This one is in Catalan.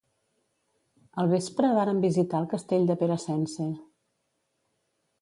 Al vespre vàrem visitar el castell de Peracense.